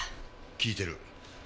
聞いてる。